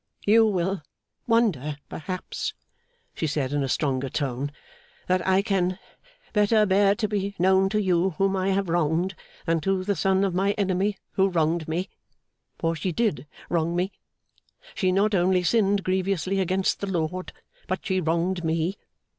'You will wonder, perhaps,' she said in a stronger tone, 'that I can better bear to be known to you whom I have wronged, than to the son of my enemy who wronged me. For she did wrong me! She not only sinned grievously against the Lord, but she wronged me.